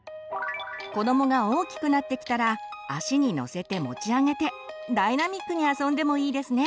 子どもが大きくなってきたら足に乗せて持ち上げてダイナミックに遊んでもいいですね。